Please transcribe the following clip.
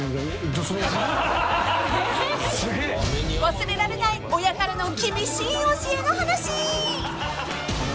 ［忘れられない親からの厳しい教えの話］